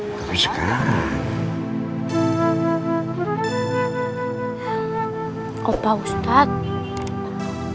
kau juga ngerasa kesepian